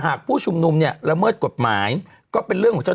ผู้ชุมนุมเนี่ยละเมิดกฎหมายก็เป็นเรื่องของเจ้า